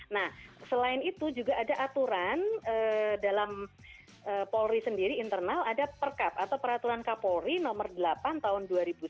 nah selain itu juga ada aturan dalam polri sendiri internal ada perkap atau peraturan kapolri nomor delapan tahun dua ribu tujuh belas